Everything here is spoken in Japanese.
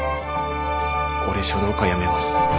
俺書道家辞めます。